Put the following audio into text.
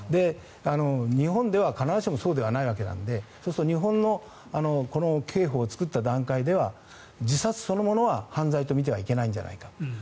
日本では必ずしもそうではないわけなのでそうすると日本の刑法を作った段階では自殺そのものは、犯罪と見てはいけないんじゃないか。